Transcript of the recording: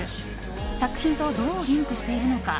作品とどうリンクしているのか